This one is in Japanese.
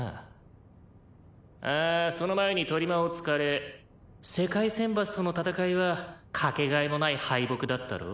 「あーその前にとりまお疲れ」「世界選抜との戦いはかけがえのない敗北だったろ？」